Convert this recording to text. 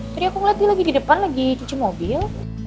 tadi aku ngeliat dia lagi di depan lagi cuci mobil